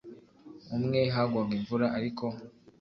umwe hagwaga imvura ariko